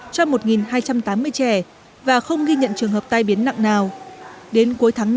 cho một hai trăm tám mươi trẻ và không ghi nhận trường hợp tai biến nặng nào đến cuối tháng năm